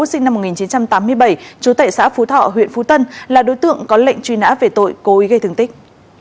sinh năm một nghìn chín trăm tám mươi bảy chú tệ xã phú thọ huyện phú tân là đối tượng có lệnh truy nã về tội cố ý gây thương tích